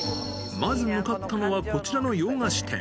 まず向かったのはこちらの洋菓子店。